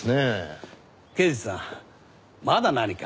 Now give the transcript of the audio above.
刑事さんまだ何か？